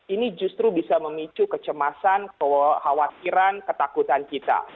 ini justru bisa memicu kecemasan kekhawatiran ketakutan kita